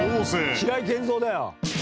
白井健三だよ。